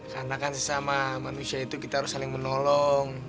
katakan sesama manusia itu kita harus saling menolong